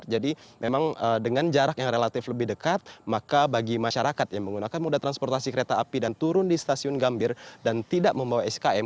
jadi memang dengan jarak yang relatif lebih dekat maka bagi masyarakat yang menggunakan moda transportasi kereta api dan turun di stasiun gambir dan tidak membawa skm